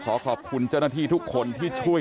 เพื่อนบ้านเจ้าหน้าที่อำรวจกู้ภัย